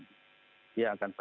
itu konsep ini harus ada di dalam